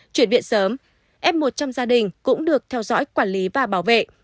chuyển viện sớm f một trăm linh gia đình cũng được theo dõi quản lý và bảo vệ